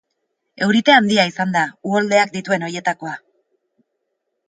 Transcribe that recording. Eurite handia izan da, uholdeak dituen horietakoa.